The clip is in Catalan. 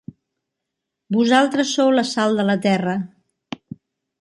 Vosaltres sou la sal de la terra.